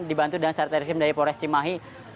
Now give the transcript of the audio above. dibantu dengan sarterisim dari polres cimahi